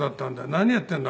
何やってんだ？